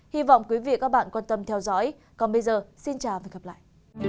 hy vọng quý vị và các bạn quan tâm theo dõi còn bây giờ xin chào và hẹn gặp lại